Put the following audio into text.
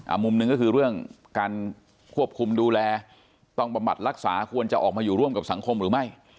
มุมหนึ่งก็คือเรื่องการควบคุมดูแลต้องบำบัดรักษาควรจะออกมาอยู่ร่วมกับสังคมหรือไม่